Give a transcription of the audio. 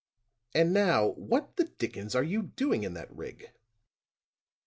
"And now, what the dickens are you doing in that rig?"